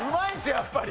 やっぱり。